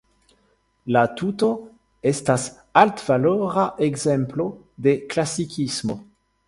La tuto estas altvalora ekzemplo de klasikismo.